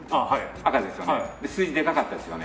赤ですよね。